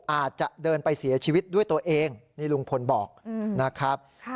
อาจจะเดินไปเสียชีวิตด้วยตัวเองนี่ลุงพลบอกนะครับ